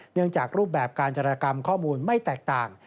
เนื่องจากรูปแบบการจรกรรมข้อมูลไม่แตกต่าง